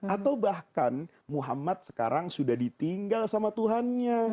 atau bahkan muhammad sekarang sudah ditinggal sama tuhannya